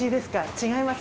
違います？